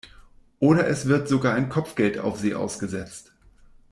Oder es wird sogar ein Kopfgeld auf sie ausgesetzt.